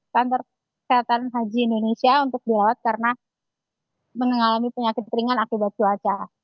kantor kesehatan haji indonesia untuk dirawat karena mengalami penyakit ringan akibat cuaca